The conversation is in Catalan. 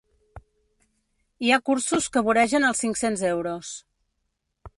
Hi ha cursos que voregen els cinc-cents euros.